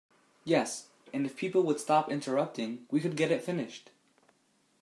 Yes, and if people would stop interrupting we could get it finished.